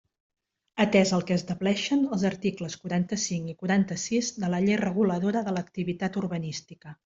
Atés el que estableixen els articles quaranta-cinc i quaranta-sis de la Llei reguladora de l'activitat urbanística.